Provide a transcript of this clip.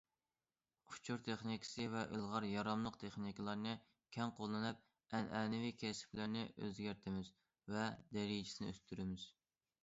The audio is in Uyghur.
ئۇچۇر تېخنىكىسى ۋە ئىلغار، ياراملىق تېخنىكىلارنى كەڭ قوللىنىپ، ئەنئەنىۋى كەسىپلەرنى ئۆزگەرتىمىز ۋە دەرىجىسىنى ئۆستۈرىمىز.